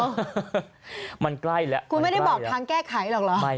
มันใกล้แล้วมันใกล้แล้วคุณไม่ได้บอกทางแก้ไขหรอกเหรอ